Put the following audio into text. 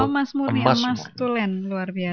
emas murni emas tulen luar biasa